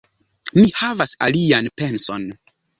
Mi havas alian penson.